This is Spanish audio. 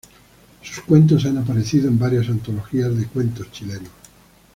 Sus cuentos han aparecido en varias antologías de cuentos chilenos.